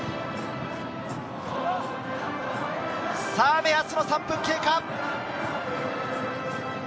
目安の３分経過。